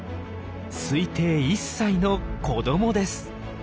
推定１歳の子どもです。